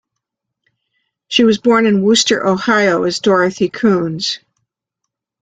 She was born in Wooster, Ohio as Dorothy Kuhns.